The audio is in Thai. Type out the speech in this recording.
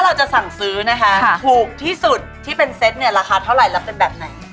เราจะสั่งซื้อนะคะถูกที่สุดที่เป็นเซตเนี่ยราคาเท่าไหร่แล้วเป็นแบบไหน